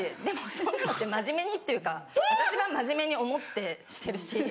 でもそんなのって真面目にっていうか私は真面目に思ってしてるし。